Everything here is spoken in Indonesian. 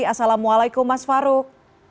assalamualaikum mas farouk